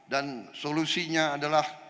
dan solusinya adalah